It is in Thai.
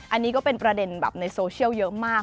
อันนี้ก็เป็นประเด็นแบบในโซเชียลเยอะมาก